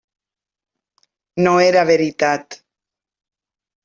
No era veritat.